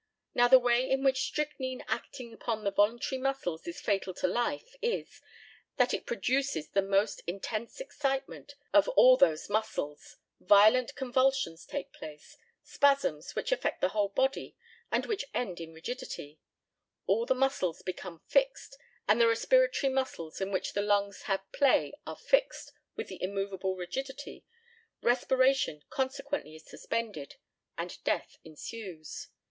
Now, the way in which strychnine acting upon the voluntary muscles is fatal to life is, that it produces the most intense excitement of all those muscles, violent convulsions take place spasms which affect the whole body and which end in rigidity all the muscles become fixed, and the respiratory muscles in which the lungs have play are fixed with an immovable rigidity, respiration consequently is suspended, and death ensues.